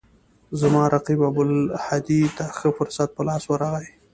زما رقیب ابوالهدی ته ښه فرصت په لاس ورغی.